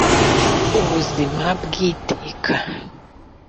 ubuzima bw iteka